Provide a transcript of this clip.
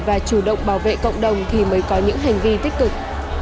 và chủ động bảo vệ cộng đồng thì mới có những hành vi tích cực